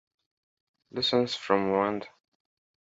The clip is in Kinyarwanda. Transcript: Lessons from Rwanda”